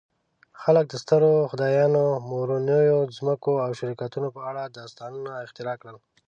خلک د سترو خدایانو، مورنیو ځمکو او شرکتونو په اړه داستانونه اختراع کړل.